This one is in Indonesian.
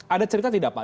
ada cerita tidak pak